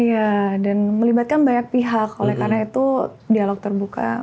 iya dan melibatkan banyak pihak oleh karena itu dialog terbuka